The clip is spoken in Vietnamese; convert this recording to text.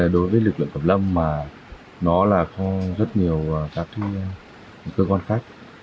đối với lực lượng kiểm lâm mà nó là có rất nhiều các cơ quan khác